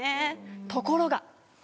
ところが！